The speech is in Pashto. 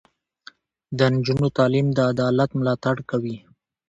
د نجونو تعلیم د عدالت ملاتړ کوي.